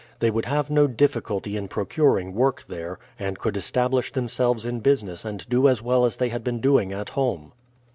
They would have no difficulty in procuring work there, and could establish themselves in business and do as well as they had been doing at home.